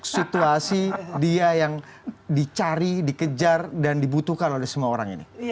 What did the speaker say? situasi dia yang dicari dikejar dan dibutuhkan oleh semua orang ini